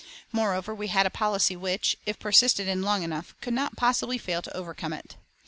Moreover we had a policy which, if persisted in long enough, could not possibly fail to overcome it.